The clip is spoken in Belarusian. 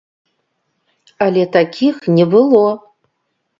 Але такіх не было!